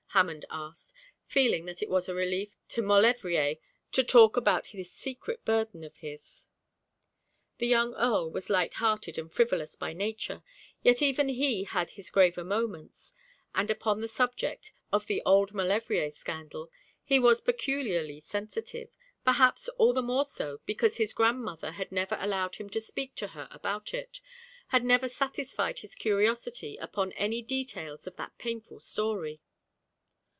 Hammond asked, feeling that it was a relief to Maulevrier to talk about this secret burden of his. The young Earl was light hearted and frivolous by nature, yet even he had his graver moments; and upon this subject of the old Maulevrier scandal he was peculiarly sensitive, perhaps all the more so because his grandmother had never allowed him to speak to her about it, had never satisfied his curiosity upon any details of that painful story.